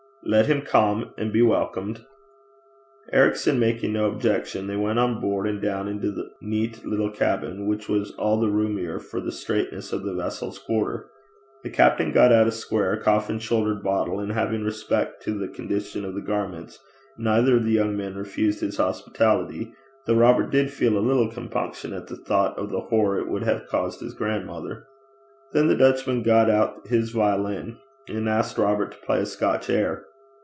'Let him come and be welcomed.' Ericson making no objection, they went on board, and down into the neat little cabin, which was all the roomier for the straightness of the vessel's quarter. The captain got out a square, coffin shouldered bottle, and having respect to the condition of their garments, neither of the young men refused his hospitality, though Robert did feel a little compunction at the thought of the horror it would have caused his grandmother. Then the Dutchman got out his violin and asked Robert to play a Scotch air.